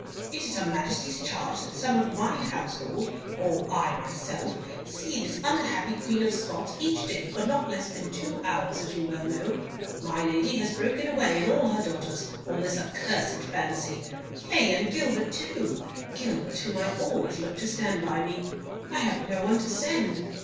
"It is her Majesty's charge that some of mine household, or I myself, see this unhappy Queen of Scots each day for not less than two hours, as you well know. My lady has broken away, and all her daughters, on this accursed fancy—yea, and Gilbert too, Gilbert whom I always looked to to stand by me; I have no one to send.